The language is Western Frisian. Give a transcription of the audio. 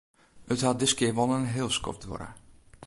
It hat diskear wol in heel skoft duorre.